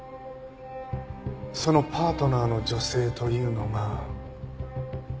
そのパートナーの女性というのが。